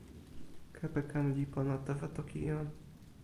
kepeken li pona tawa toki jan.